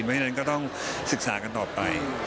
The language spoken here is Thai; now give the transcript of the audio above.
เพราะฉะนั้นก็ต้องศึกษากันต่อไป